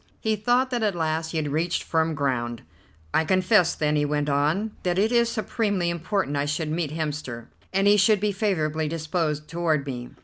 He thought that at last he had reached firm ground. "I confess, then," he went on, "that it is supremely important I should meet Hemster, and he should be favourably disposed toward me.